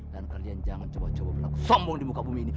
dan kalian jangan coba coba berlaku sombong di muka bumi ini